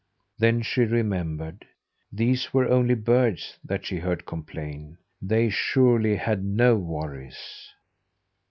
Then she remembered: these were only birds that she heard complain. They surely had no worries.